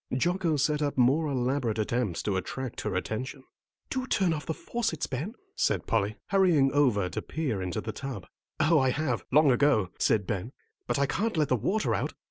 Jocko set up more elaborate attempts to attract her attention. "Do turn off the faucets, Ben," said Polly, hurrying over to peer into the tub. "Oh, I have, long ago," said Ben, "but I can't let the water out."